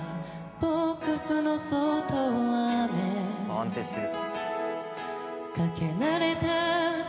安定してる。